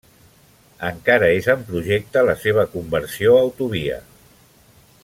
Encara és en projecte la seva conversió a autovia.